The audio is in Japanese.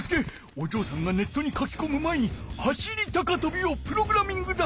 おじょうさんがネットに書きこむ前に走り高とびをプログラミングだ。